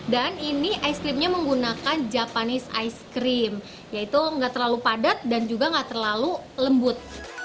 dan ini es krimnya menggunakan japanese ice cream yaitu nggak terlalu padat dan juga nggak terlalu lembut